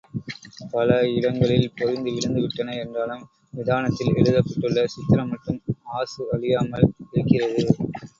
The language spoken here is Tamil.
பல இடங்களில் பொரிந்து விழுந்து விட்டன என்றாலும், விதானத்தில் எழுதப்பட்டுள்ள சித்திரம் மட்டும் ஆசு அழியாமல் இருக்கிறது.